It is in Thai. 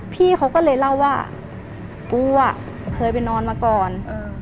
พี่เขาก็เลยเล่าว่ากูอ่ะเคยไปนอนมาก่อน